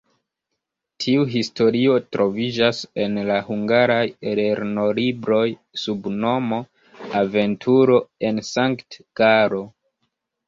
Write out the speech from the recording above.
Tiu historio troviĝas en la hungaraj lernolibroj sub nomo "Aventuro en Sankt-Galo".